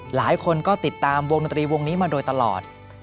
หลายคนก็ติดตามวงดนตรีวงนี้มาโดยตลอด